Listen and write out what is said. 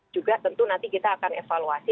juga tentu nanti kita akan evaluasi